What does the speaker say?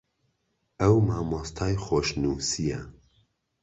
ئەو مامۆستای خۆشنووسییە